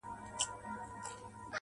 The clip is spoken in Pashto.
زما په مرگ دي خوشالي زاهدان هيڅ نکوي~